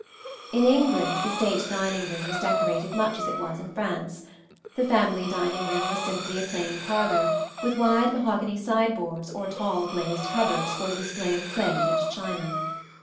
In England the state dining room was decorated much as it was in France: the family dining room was simply a plain parlor, with wide mahogany sideboards or tall glazed cupboards for the display of plate and china.